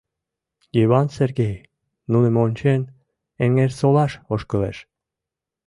Йыван Сергей, нуным ончен, Эҥерсолаш ошкылеш.